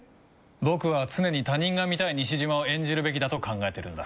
僕は常に他人が見たい西島を演じるべきだと考えてるんだ。